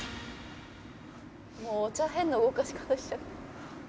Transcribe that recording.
もうお茶変な動かし方しちゃって。